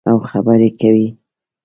او خبرې کوي.